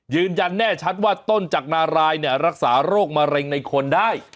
ยืนยันแน่ชัดว่าต้นจากนารายเนี่ยรักษาโรคมะเร็งในคนได้